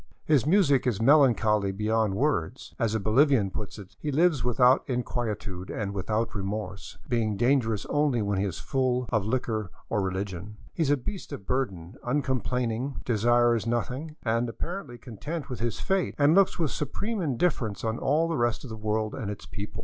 His music is melancholy beyond words. As a Bolivian puts it, " He lives without inquietude and without remorse, being dangerous only when he is full or liquor or religion. He is a beast of burden, uncomplaining, desires nothing, is apparently content with his fate, and looks with supreme indifference on all the rest of the world and its people."